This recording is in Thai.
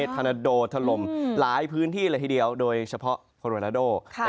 ธนาโดทะลมหลายพื้นที่เลยทีเดียวโดยเฉพาะโคโรนาโด